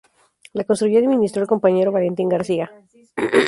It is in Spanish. La construyó y administró el compañero, Valentín García.